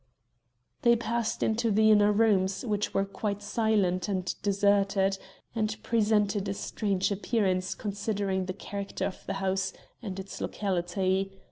They passed into the inner rooms, which were quite silent and deserted, and presented a strange appearance considering the character of the house and its locality.